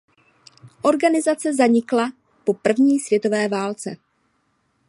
Organizace zanikla po první světové válce.